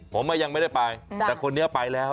ผมยังไม่ได้ไปแต่คนนี้ไปแล้ว